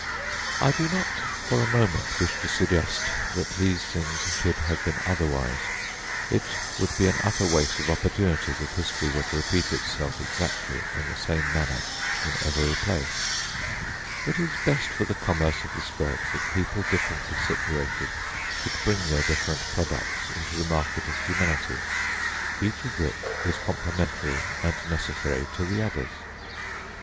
I do not for a moment wish to suggest that these things should have been otherwise. It would be an utter waste of opportunities if history were to repeat itself exactly in the same manner in every place. It is best for the commerce of the spirit that people differently situated should bring their different products into the market of humanity, each of which is complementary and necessary to the others.